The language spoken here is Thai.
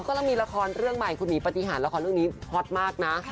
กำลังมีละครเรื่องใหม่คุณหมีปฏิหารละครเรื่องนี้ฮอตมากนะ